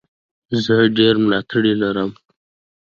زه ډېر ملاتړي لرم.